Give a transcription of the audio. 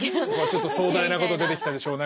ちょっと壮大なこと出てきたでしょう。